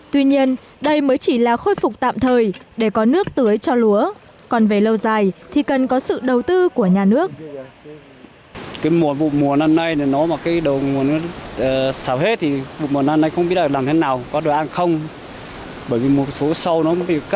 tuy nhiên đây mới chỉ là khôi phục tạm thời để có nước tưới cho lúa còn về lâu dài thì cần có sự đầu tư của nhà nước